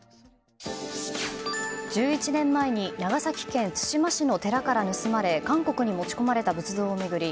１１年前に長崎県対馬市の寺から盗まれ韓国に持ち込まれた仏像を巡り